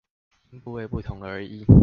因部位不同而異